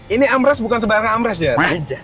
ini amres bukan sembarangan amres jar